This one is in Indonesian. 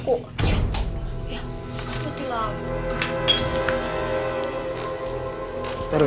ya putih lah